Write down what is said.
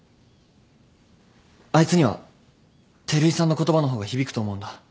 あいつには照井さんの言葉の方が響くと思うんだ。